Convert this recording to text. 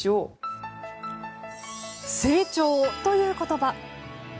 成長という言葉。